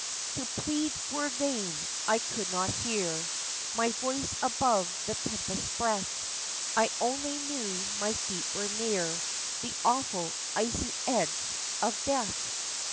To plead were vain ; I could not hear My voice above the tempest's breath, I only knew my feet were near The awful, icy edge of Death.